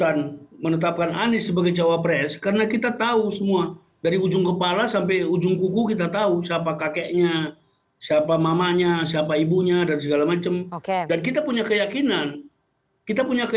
antisipasinya supaya kader itu tidak keluar bagaimana